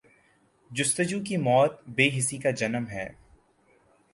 جستجو کی موت بے حسی کا جنم ہے۔